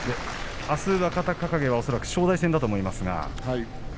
あすは恐らく正代戦だと思いますが。